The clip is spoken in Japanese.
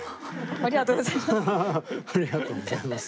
ありがとうございます。